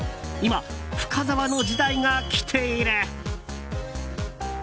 今、深澤の時代が来ている。